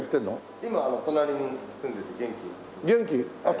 今隣に住んでて元気です。